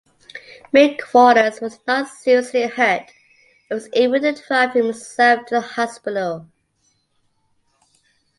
McQuarters was not seriously hurt, and was able to drive himself to the hospital.